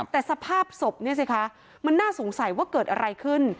แต่สภาพศพเนี่ยสิคะมันน่าสงสัยว่าเกิดอะไรขึ้น